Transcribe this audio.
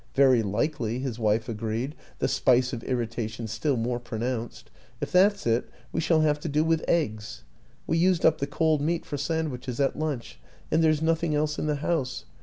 " Very likely," his wife agreed, the spice of irritation still more pronounced. " If that's it, we shall have to do with eggs we used up the cold meat for sandwiches at lunch, and there's nothing else in the house.